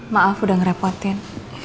maaf udah ngerepotin